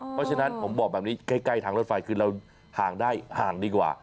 เพราะฉะนั้นผมบอกแบบนี้ใกล้ทางรถไฟคือเราห่างได้ห่างดีกว่า